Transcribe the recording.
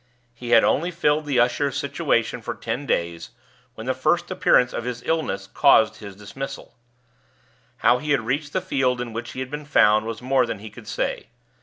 He had only filled the usher's situation for ten days when the first appearance of his illness caused his dismissal. How he had reached the field in which he had been found was more than he could say.